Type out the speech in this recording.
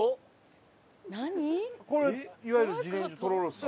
これはいわゆる自然薯とろろですか？